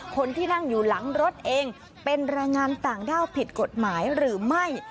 คนที่นั่งอยู่หลังรถเองเป็นแรงงานต่างด้าวผิดกฎหมายหรือไม่